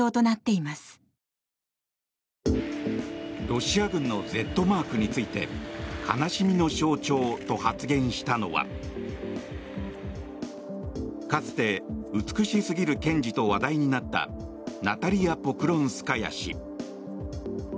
ロシア軍のＺマークについて悲しみの象徴と発言したのはかつて美しすぎる検事と話題になったナタリヤ・ポクロンスカヤ氏。